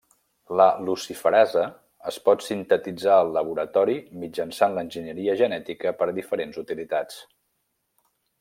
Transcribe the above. La luciferasa es pot sintetitzar al laboratori mitjançant l'enginyeria genètica per a diferents utilitats.